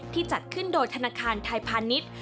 จัดขึ้นโดยธนาคารไทยพาณิชย์